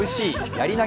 やり投